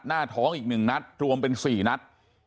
หน้าท้องอีกหนึ่งนัดรวมเป็นสี่นัด